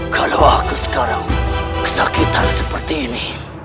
kalau aku sekarang kesakitan seperti ini